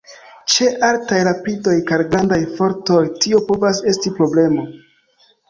Ĉe altaj rapidoj kaj grandaj fortoj tio povas esti problemo.